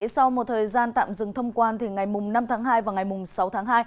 sau một thời gian tạm dừng thông quan ngày năm tháng hai và ngày sáu tháng hai